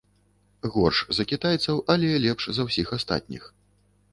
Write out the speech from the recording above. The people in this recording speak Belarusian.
Горш за кітайцаў, але лепш за ўсіх астатніх.